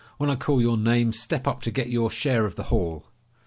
"When I call your name step up to get your share of the haul!"